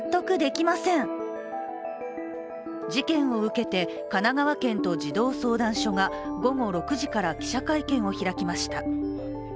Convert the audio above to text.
事件を受けて神奈川県と児童相談所が午後６時から記者会見を開きました。